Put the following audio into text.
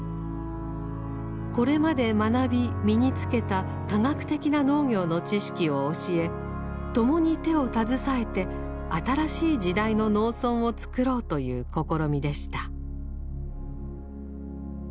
これまで学び身に付けた科学的な農業の知識を教え共に手を携えて新しい時代の農村をつくろうという試みでした。